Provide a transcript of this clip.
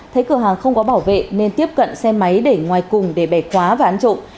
thấy cửa hàng không có bảo vệ nên tiếp cận xe máy để ngoài cùng để bẻ khóa và ăn trộm